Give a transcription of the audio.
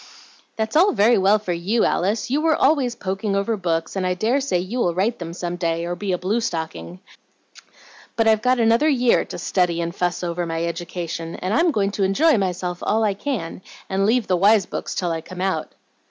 "That's all very well for you, Alice; you were always poking over books, and I dare say you will write them some day, or be a blue stocking. But I've got another year to study and fuss over my education, and I'm going to enjoy myself all I can, and leave the wise books till I come out."